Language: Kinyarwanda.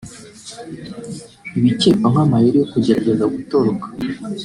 ibikekwa nk’amayeri yo kugerageza gutoroka